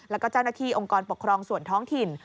แล้วก็เจ้าหน้าที่องค์กรปกครองส่วนท้องถิ่น